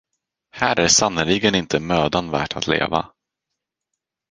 Här är sannerligen inte mödan värt att leva.